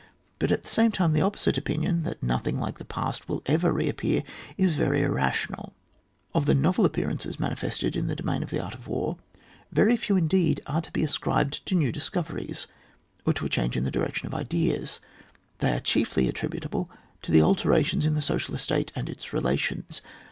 But at the same time the opposite opinion, that nothing like the past will ever reappear, is very irrational. Of the novel appearances manifested in the domain of the art of war, very few indeed are to be ascribed to new discoveries, or to a change in the direction of ideas ; they are chiefly attributable io the altera tions in the social state and its relations.